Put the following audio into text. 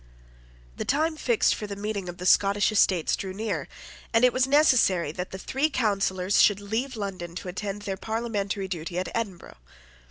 The time fixed for the meeting of the Scottish Estates drew near; and it was necessary that the three Councillors should leave London to attend their parliamentary duty at Edinburgh.